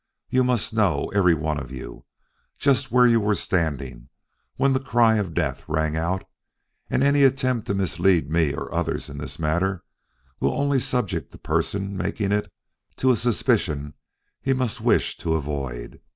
You must know, every one of you, just where you were standing when the cry of death rang out, and any attempt to mislead me or others in this matter will only subject the person making it to a suspicion he must wish to avoid.